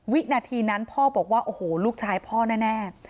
วินาทีนั้นพ่อบอกว่าโอ้โหลูกชายพ่อแน่